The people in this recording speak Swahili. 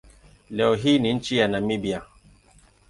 Leo hii ni nchi ya Namibia.